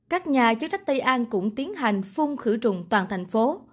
các nhà chức trách tây an cũng tiến hành phun khử trùng toàn thành phố